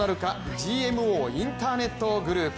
ＧＭＯインターネットグループ。